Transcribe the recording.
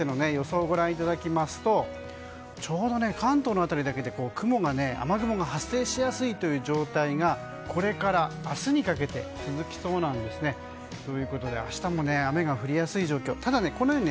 そして、明日にかけての予想をご覧いただきますとちょうど関東の辺りだけ雨雲が発生しやすいという状態がこれから明日にかけて続きそうなんですね。ということで明日も雨が降りやすい状況。